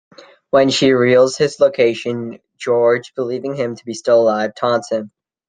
When she reveals his location, George, believing him to be still alive, taunts him.